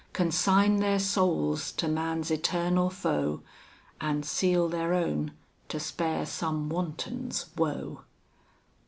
Consign their souls to man's eternal foe, And seal their own, to spare some wanton's, woe!